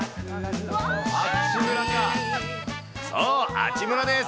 そう、阿智村です。